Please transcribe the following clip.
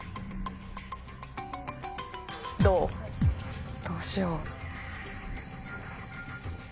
どうしよう。